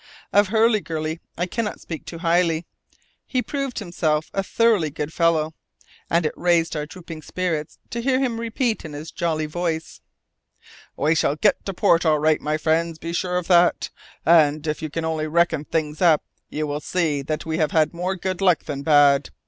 Of Hurliguerly I cannot speak too highly. He proved himself a thoroughly good fellow, and it raised our drooping spirits to hear him repeat in his jolly voice, "We shall get to port all right, my friends, be sure of that. And, if you only reckon things up, you will see that we have had more good luck than bad.